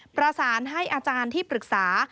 ประสานให้อาจารย์ที่ปรึกษา